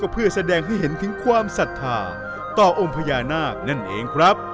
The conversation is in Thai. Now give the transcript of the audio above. เพื่อแสดงให้เห็นถึงความศรัทธาต่อองค์พญานาคนั่นเองครับ